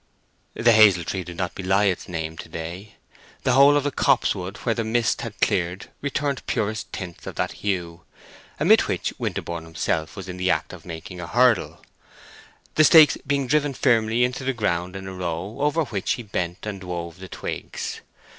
The hazel tree did not belie its name to day. The whole of the copse wood where the mist had cleared returned purest tints of that hue, amid which Winterborne himself was in the act of making a hurdle, the stakes being driven firmly into the ground in a row, over which he bent and wove the twigs.